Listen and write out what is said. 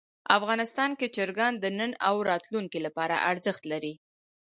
افغانستان کې چرګان د نن او راتلونکي لپاره ارزښت لري.